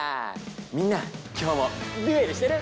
みんな今日もデュエルしてる？